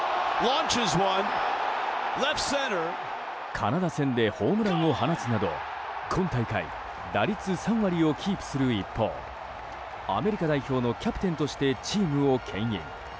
カナダ戦でホームランを放つなど今大会打率３割をキープする一方アメリカ代表のキャプテンとしてチームを牽引。